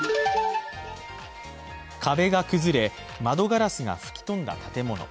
壁が崩れ、窓ガラスが吹き飛んだ建物。